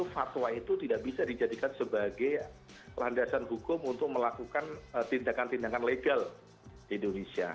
karena itu fatwa itu tidak bisa dijadikan sebagai landasan hukum untuk melakukan tindakan tindakan legal di indonesia